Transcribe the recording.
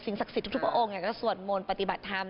สิ่งศักย์สิทธิ์ทุกองค์ก็ส่วนมนต์ปฏิบัติธรรม